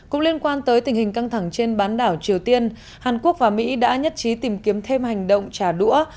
cũng liên quan tới tình hình căng thẳng trên bán đảo triều tiên hàn quốc và mỹ đã nhất trí tìm kiếm thêm hành động trả đũa